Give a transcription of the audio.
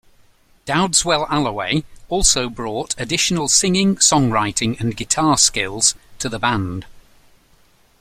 Dowdeswell-Allaway also brought additional singing, songwriting and guitar skills to the band.